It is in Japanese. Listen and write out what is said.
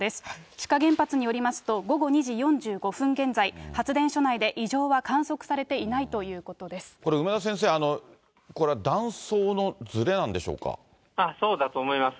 志賀原発になりますと、午後２時４５分現在、発電所内で異常は観測されていないというここれ、梅田先生、そうだと思います。